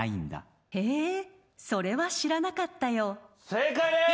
正解です！